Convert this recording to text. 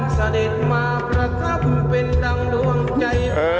เสด็จมาประทับเป็นดังดวงใจ